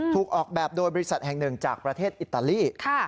ถูกออกแบบโดยบริษัทแห่งหนึ่งจากประเทศอิตาลี